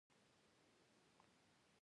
احمد هر شپه خپل ورځنی داستان پلار ته بیانوي.